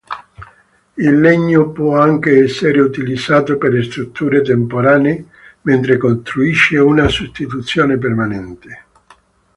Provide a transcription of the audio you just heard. Il legno può anche essere utilizzato per strutture temporanee mentre costruisce una sostituzione permanente.